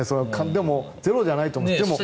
でも、ゼロじゃないと思います。